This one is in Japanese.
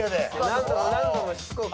何度も何度もしつこく。